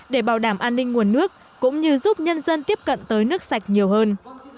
để bảo đảm an ninh nguồn nước cũng như giúp nhân dân tiếp cận tới nước sạch nhiều hơn